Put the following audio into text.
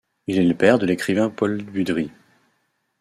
Il est le père de l’écrivain Paul Budry.